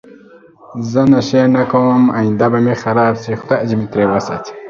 زه نشی نه کوم اینده به می خرابه شی خدای می دی تری وساتی